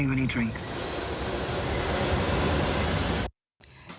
hanya ketika dia minum